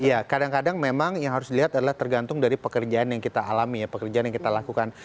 iya kadang kadang memang yang harus dilihat adalah tergantung dari pekerjaan yang kita alami ya pekerjaan yang kita lakukan